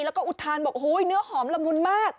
แล้วก็อุทานบอกเนื้อหอมละมุนมาก